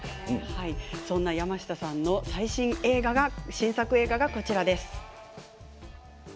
そんな山下さんの新作映画がこちらです。